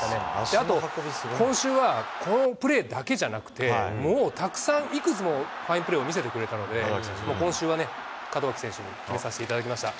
あと、今週はこのプレーだけじゃなくて、もうたくさんいくつもファインプレーを見せてくれたので、もう今週はね、門脇選手に決めさせていただきました。